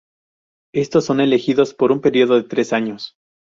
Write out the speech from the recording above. Estos son elegidos por un periodo de tres años.